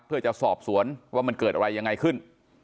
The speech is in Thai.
เพื่อจะสอบสวนว่ามันเกิดอะไรยังไงขึ้น